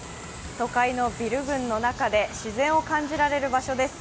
都会のビル群の中で自然を感じられる場所です。